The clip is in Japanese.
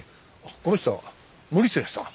この人は森末さん。